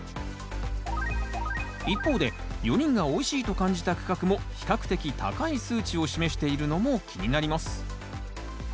一方で４人がおいしいと感じた区画も比較的高い数値を示しているのも気になります